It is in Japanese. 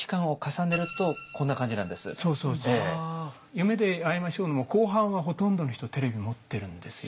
「夢であいましょう」の後半はほとんどの人テレビ持ってるんですよ。